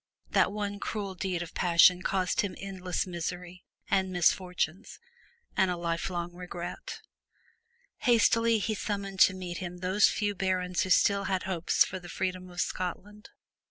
that one cruel deed of passion caused him endless miseries and misfortunes and a lifelong regret. Hastily he summoned to meet him those few barons who still had hopes for the freedom of Scotland.